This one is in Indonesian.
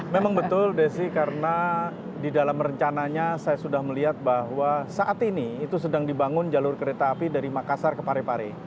memang betul desi karena di dalam rencananya saya sudah melihat bahwa saat ini itu sedang dibangun jalur kereta api dari makassar ke parepare